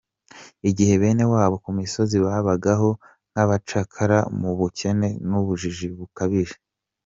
Igihe bene wabo ku misozi babagaho nk’abacakara mu bukene n’ubujiji bukabije.